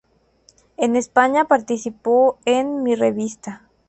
En España participó en "Mi Revista.